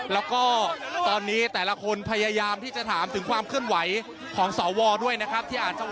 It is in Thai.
แล้วก็ตอนนี้แต่ละคนพยายามที่จะถามถึงความเคลื่อนไหวของสวด้วยนะครับที่อาจจะ